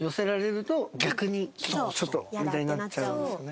ちょっとみたいになっちゃうんですよね。